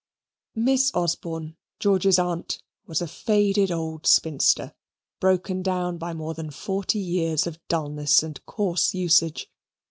Miss Osborne, George's aunt, was a faded old spinster, broken down by more than forty years of dulness and coarse usage.